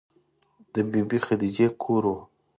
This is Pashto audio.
د بې بي خدیجې کور و.